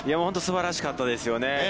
本当すばらしかったですよね。